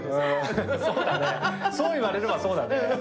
そう言われればそうだね。